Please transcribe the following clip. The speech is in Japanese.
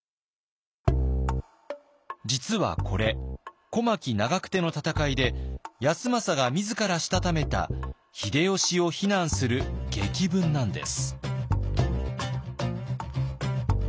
実はこれ小牧・長久手の戦いで康政が自らしたためた秀吉を非難する檄文なんです。